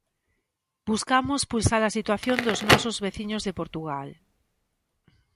Buscamos pulsar a situación dos nosos veciños de Portugal.